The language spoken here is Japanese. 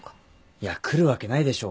いや来るわけないでしょ。